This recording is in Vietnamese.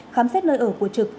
khám xét nơi ở của trực